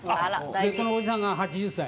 このおじさんが８０歳。